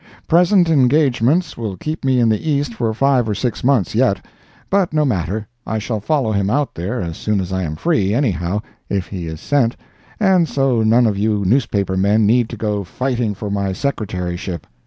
Present engagements will keep me in the East for five or six months yet; but no matter, I shall follow him out there as soon as I am free, anyhow, if he is sent, and so none of you newspaper men need to go fighting for my secretaryship.